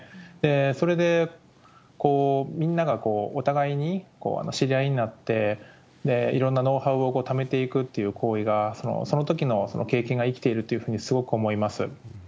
それで、みんながお互いに知り合いになって、いろんなノウハウをためていくという行為が、そのときの経験が生きているっていうふうにすごく思います。